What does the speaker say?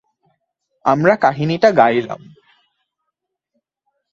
আমরা কাহিনীটা গাইলাম।